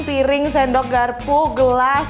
piring sendok garpu gelas